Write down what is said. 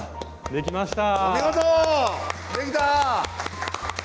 できました！